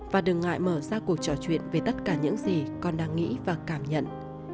và đừng ngại mở ra cuộc trò chuyện về tất cả những gì con đang nghĩ và cảm nhận